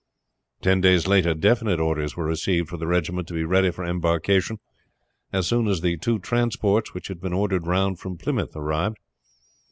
Ten days later definite orders were received for the regiment to be ready for embarkation, as soon as the two transports which had been ordered round from Plymouth arrived.